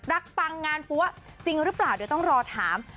รักปังงานหัวจริงหรือเปล่าด้วยต้องรอถาม